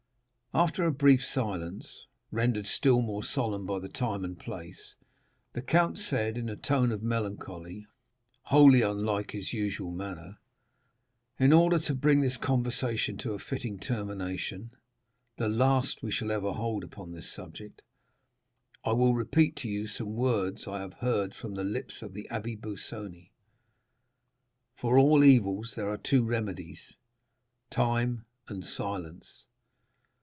After a brief silence, rendered still more solemn by the time and place, the count said, in a tone of melancholy wholly unlike his usual manner: "In order to bring this conversation to a fitting termination (the last we shall ever hold upon this subject), I will repeat to you some words I have heard from the lips of the Abbé Busoni. For all evils there are two remedies—time and silence.